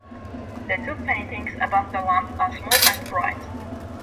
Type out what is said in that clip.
The two paintings above the lamp are small and bright.